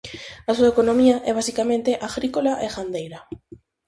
A súa economía é basicamente agrícola e gandeira.